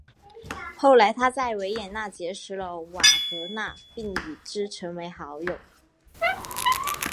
后来他在维也纳结识了瓦格纳并与之成为好友。